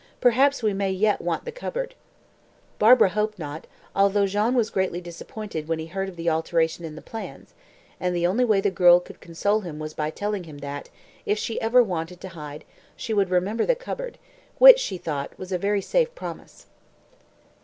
"Perhaps we may yet want the cupboard." Barbara hoped not, although Jean was greatly disappointed when he heard of the alteration in the plans, and the only way the girl could console him was by telling him that, if ever she wanted to hide, she would remember the cupboard, which, she thought was a very safe promise!